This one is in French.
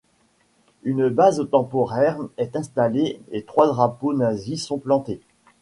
Une base temporaire est installée et trois drapeaux nazis sont plantés.